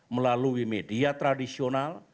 melalui media tradisional